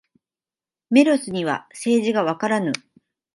メロスには政治がわからぬ。